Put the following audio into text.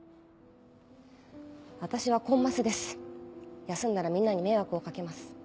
私はコンマスです休んだらみんなに迷惑をかけます。